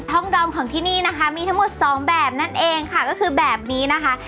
ดอมของที่นี่นะคะมีทั้งหมดสองแบบนั่นเองค่ะก็คือแบบนี้นะคะ